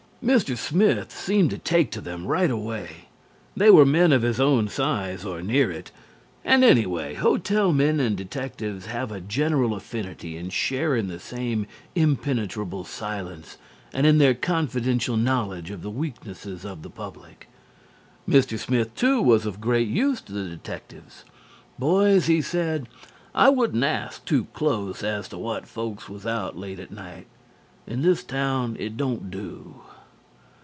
Mr. Smith seemed to take to them right away. They were men of his own size, or near it, and anyway hotel men and detectives have a general affinity and share in the same impenetrable silence and in their confidential knowledge of the weaknesses of the public. Mr. Smith, too, was of great use to the detectives. "Boys," he said, "I wouldn't ask too close as to what folks was out late at night: in this town it don't do."